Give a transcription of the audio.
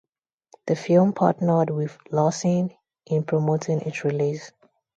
The film partnered with Lawson in promoting its release.